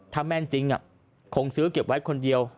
ถ้าแม่นจริงคงซื้อเก็บไว้คนเดียว